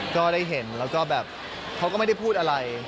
ก็ได้เห็นแล้วก็แบบเขาก็ไม่ได้พูดอะไร